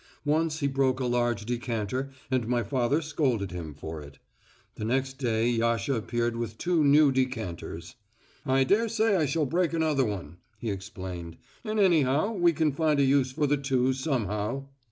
Once he broke a large decanter and my father scolded him for it. The next day Yasha appeared with two new decanters. "I daresay I shall break another one," he explained, "and anyhow we can find a use for the two somehow."